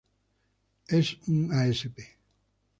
Es un asp.